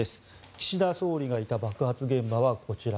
岸田総理がいた爆発現場はこちら。